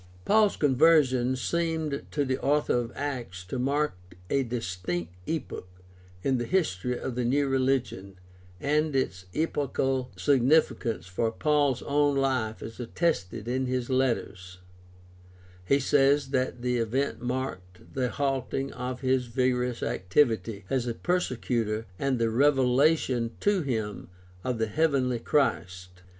— Paul's conversion seemed to the author of Acts to mark a distinct epoch in the history of the new religion, and its epochal significance for Paul's own life is attested in his letters (Gal. 1:15 f.; I Cor. 15:8; 9:1; II Cor. 4:6). He says that the event marked the halting of his vigorous activity as a persecutor and the revelation to him of the heavenly Christ.